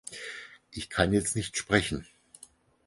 Ich kann jetzt nicht sprechen.